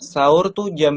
sour tuh jam